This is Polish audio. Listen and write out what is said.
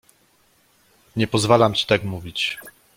"Nie pozwalam ci tak mówić!"